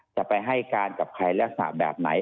จะไปให้การกับใครลักษณะแบบไหน